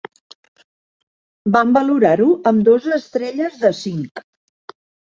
Van valorar-ho amb dos estrelles de cinc.